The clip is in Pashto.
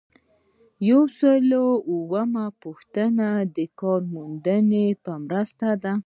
یو سل او اووه پوښتنه د کارموندنې مرسته ده.